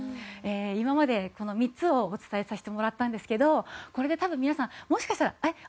今までこの３つをお伝えさせてもらったんですけどこれで多分皆さんもしかしたらえっ